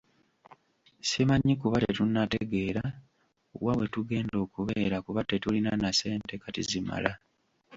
Simanyi kuba tetunnategeera wa we tugenda okubeera kuba tetulina na ssente kati zimala.